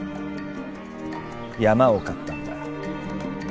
山を買ったんだ。